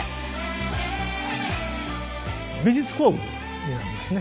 美術工具になりますね。